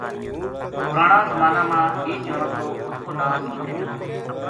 پرانا زمانا ما ایک جنو تھو اس کو نا نولکھیو تھو